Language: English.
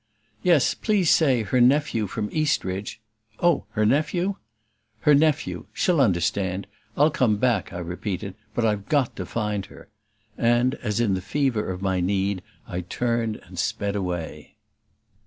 "Yes, please say her nephew from Eastridge !" "Oh, her nephew !" "Her nephew. She'll understand. I'll come back," I repeated. "But I've got to find her!" And, as in the fever of my need, I turned and sped away.